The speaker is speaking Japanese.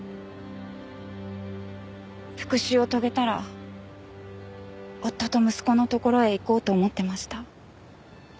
復讐を遂げたら夫と息子のところへ行こうと思ってました。